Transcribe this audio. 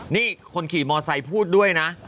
นี่คนขี่มอไซค์พูดด้วยนะ